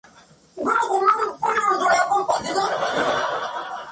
La piedra de luna posee muchas aplicaciones en joyería.